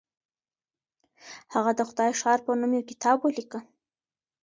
هغه د خدای ښار په نوم يو کتاب وليکه.